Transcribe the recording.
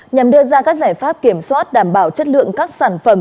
nhằm đưa ra các giải pháp kiểm soát đảm bảo chất lượng các sản phẩm